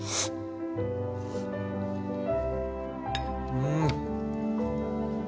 うん。